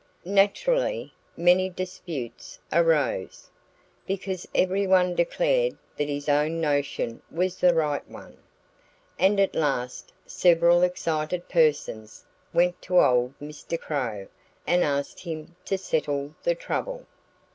Naturally, many disputes arose, because everyone declared that his own notion was the right one. And at last several excited persons went to old Mr. Crow and asked him to settle the trouble.